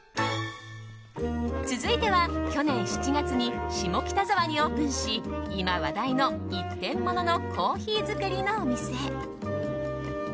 続いては、去年７月に下北沢にオープンし今話題の一点モノのコーヒー作りのお店。